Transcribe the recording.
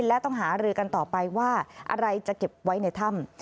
และต้องหารือกันต่อไปว่าอะไรจะเก็บไว้ในถ้ำ